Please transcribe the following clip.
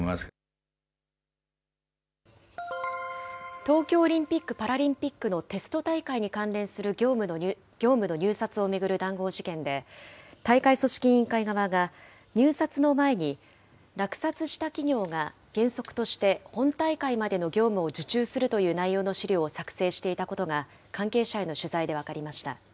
東京オリンピック・パラリンピックのテスト大会に関連する業務の入札を巡る談合事件で、大会組織委員会側が、入札の前に、落札した企業が原則として本大会までの業務を受注するという内容の資料を作成していたことが、関係者への取材で分かりました。